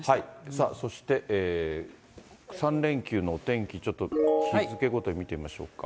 さあ、そして３連休のお天気、ちょっと日付ごとに見てみましょうか。